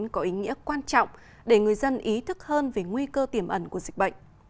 có ý nghĩa quan trọng để người dân ý thức hơn về nguy cơ tiềm ẩn của dịch bệnh